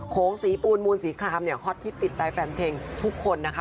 โขงสีปูนมูนสีคลามฮอตที่ติดใจแฟนเพลงทุกคนนะคะ